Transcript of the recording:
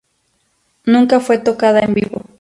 Nunca fue tocada en vivo.